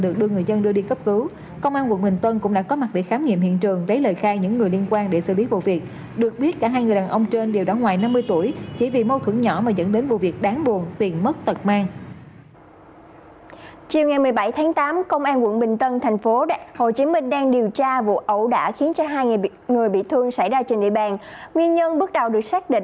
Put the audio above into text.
cũng trong chiều ngày một mươi bảy tháng tám công an quận tân bình tp hcm đang điều tra sự cố hy hữu